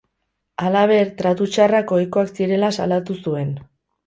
Halaber, tratu txarrak ohikoak zirela salatu zuen.